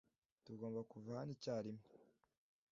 Tugomba kuva hano icyarimwe.